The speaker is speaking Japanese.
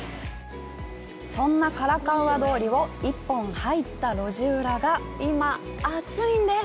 そんなカラカウア通りを一本入った路地裏が今、アツイんです。